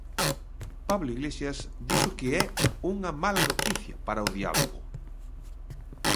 Pablo Iglesias, dixo qua é unha mala noticia para o diálogo.